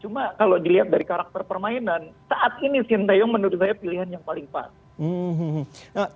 cuma kalau dilihat dari karakter permainan saat ini sintayong menurut saya pilihan yang paling pas